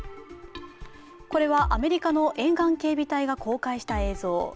これはアメリカの沿岸警備隊が公開した映像。